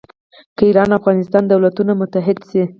که ایران او افغانستان دولتونه متحد شي.